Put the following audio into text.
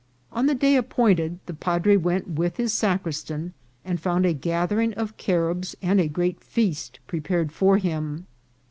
On the day appointed the padre went with his sacristan, and found a gathering of Caribs and a great feast prepared for him.